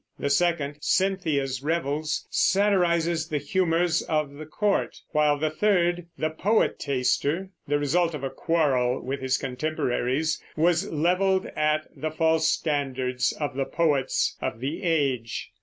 The second, Cynthia's Revels, satirizes the humors of the court; while the third, The Poetaster, the result of a quarrel with his contemporaries, was leveled at the false standards of the poets of the age.